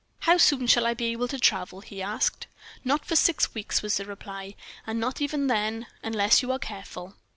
"How soon shall I be able to travel?" he asked. "Not for six weeks," was the reply, "and not even then unless you are careful."